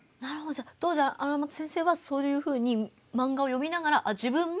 じゃあ当時荒俣先生はそういうふうにマンガを読みながら自分も。